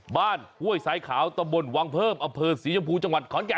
บ้านด้วยสายขาวตะบนวังเพิลอำเพลินสีชมพูจังหวัดขอนแข๑๕๐๐